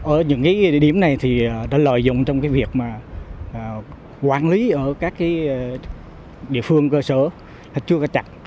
ở những cái điểm này thì đã lợi dụng trong cái việc mà quản lý ở các cái địa phương cơ sở là chưa có chặt